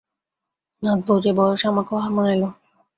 নাতবউ যে বয়সে আমাকেও হার মানাইল।